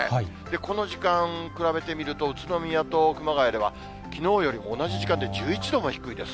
この時間、比べてみると、宇都宮と熊谷では、きのうよりも同じ時間で１１度も低いです。